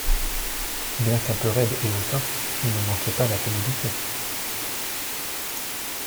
Bien qu'un peu raide et hautain il ne manquait pas d'affabilité.